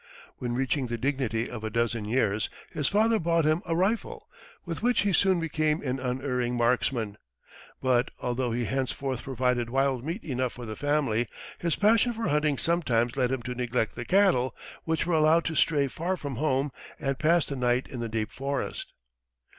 When reaching the dignity of a dozen years, his father bought him a rifle, with which he soon became an unerring marksman. But, although he henceforth provided wild meat enough for the family, his passion for hunting sometimes led him to neglect the cattle, which were allowed to stray far from home and pass the night in the deep forest.